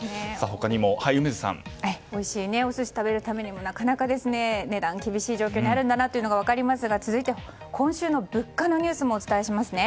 おいしいお寿司を食べるためになかなか値段、厳しい状況にあるんだなと分かりますが続いて、今週の物価のニュースもお伝えしますね。